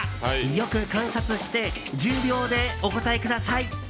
よく観察して１０秒でお答えください。